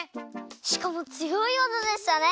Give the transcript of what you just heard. しかもつよい技でしたね。